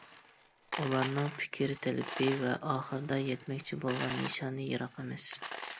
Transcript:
ئۇلارنىڭ پىكىر تەلىپى ۋە ئاخىردا يەتمەكچى بولغان نىشانى يىراق ئەمەس.